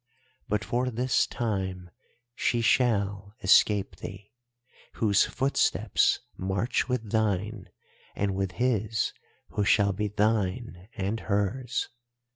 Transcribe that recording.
But for this time she shall escape thee, whose footsteps march with thine, and with his who shall be thine and hers.